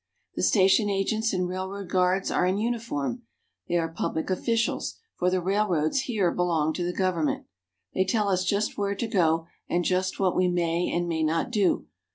The station agents and railroad guards are in uniform ; they are public officials, for the railroads here belong to the government. They tell us just where to go, and just what we may and may not do.